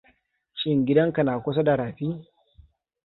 Shin gidan ka na kusa da rafi?